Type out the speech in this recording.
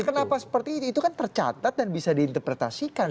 kenapa seperti itu itu kan tercatat dan bisa diinterpretasikan